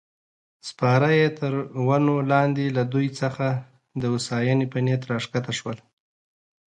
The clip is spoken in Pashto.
سپاره یې تر ونو لاندې له دوی څخه د هوساینې په نیت راکښته شول.